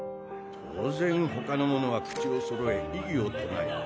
当然ほかの者は口をそろえ異議を唱えた。